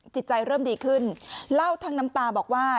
จิตใจเริ่มดีขึ้นเล่าทั้งน้ำตาบอกว่า